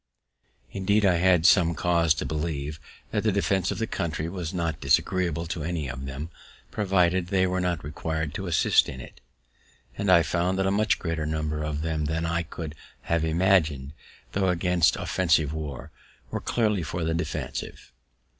Indeed I had some cause to believe that the defense of the country was not disagreeable to any of them, provided they were not requir'd to assist in it. And I found that a much greater number of them than I could have imagined, tho' against offensive war, were clearly for the defensive.